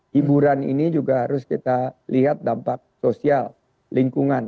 hiburan ini juga harus kita lihat dampak sosial lingkungan